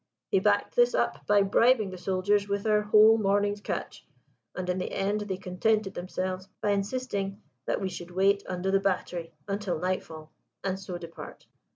He backed this up by bribing the soldiers with our whole morning's catch, and in the end they contented themselves by insisting that we should wait under the battery until nightfall and so depart.